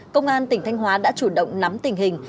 công an tỉnh thanh hóa đã chủ động nắm tình hình